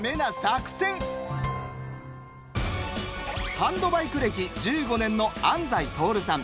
ハンドバイク歴１５年の安斎透さん。